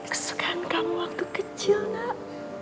kesukaan kamu waktu kecil nak